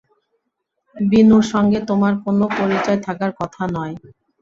বিনুর সঙ্গে তোমার কোনো পরিচয় থাকার কথা নয়।